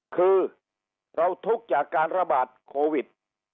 คือเราทุกข์จากการระบาดโควิด